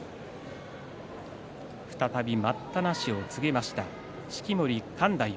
再び待ったなしを告げました式守勘太夫。